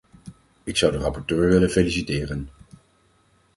Ik zou de rapporteur willen feliciteren.